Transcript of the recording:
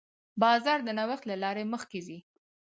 بازار د نوښت له لارې مخکې ځي.